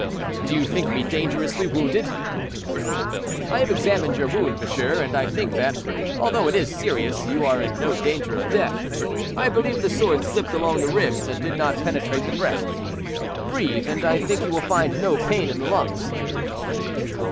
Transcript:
"Do you think me dangerously wounded?" "I have examined your wound, monsieur, and I think that, although it is serious, you are in no danger of death. I believe the sword slipped along the ribs, and did not penetrate the breast. Breathe, and I think you will find no pain in the lungs."